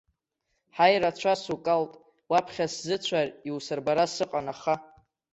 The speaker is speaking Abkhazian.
Ҳаи, рацәа сукалт, уаԥхьа сзыцәар, иусырбара сыҟан, аха!